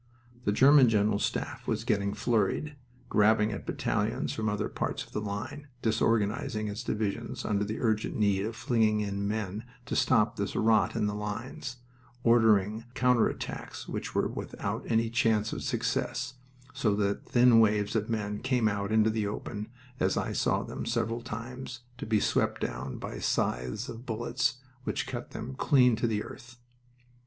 The German General Staff was getting flurried, grabbing at battalions from other parts of the line, disorganizing its divisions under the urgent need of flinging in men to stop this rot in the lines, ordering counter attacks which were without any chance of success, so that thin waves of men came out into the open, as I saw them several times, to be swept down by scythes of bullets which cut them clean to the earth.